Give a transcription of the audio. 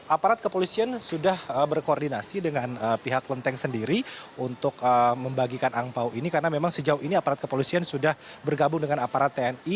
aparat kepolisian sudah berkoordinasi dengan pihak kelenteng sendiri untuk membagikan angpau ini karena memang sejauh ini aparat kepolisian sudah bergabung dengan aparat tni